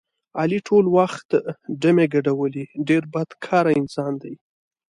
علي ټول وخت ډمې ګډولې ډېر بدکاره انسان دی.